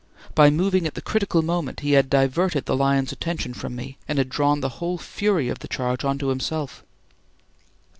By moving at the critical moment, he had diverted the lion's attention from me and had drawn the whole fury of the charge on to himself.